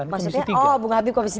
maksudnya oh bung habib komisi tiga